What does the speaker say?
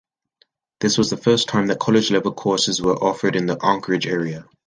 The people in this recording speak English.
This was the first time that college-level courses were offered in the Anchorage area.